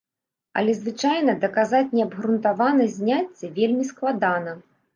Але звычайна даказаць неабгрунтаванасць зняцця вельмі складана.